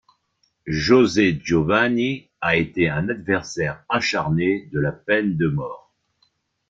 José Giovanni, a été un adversaire acharné de la peine de mort.